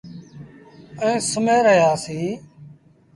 ائيٚݩ سُمهي رهيآ سيٚݩ۔